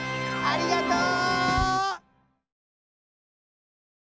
ありがとう！